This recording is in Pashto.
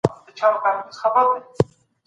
د بشري حقونو پوره او سمه ساتنه وکړئ.